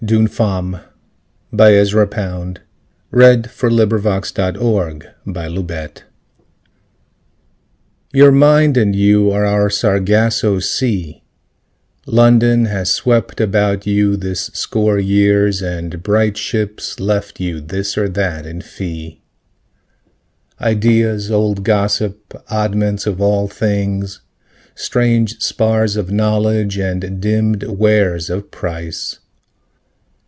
Oh, Woe, woe, woe, etcetera .... Ezra Pound Portrait D'une Femme YOUR mind and you are our Sargasso Sea, London has swept about you this score years And bright ships left you this or that in fee: Ideas, old gossip, oddments of all things, Strange spars of knowledge and dimmed wares of price.